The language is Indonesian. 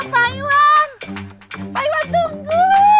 pak iwan pak iwan tunggu